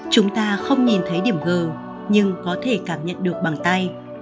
chúng ta không nhìn thấy điểm g nhưng có thể cảm nhận được bằng tay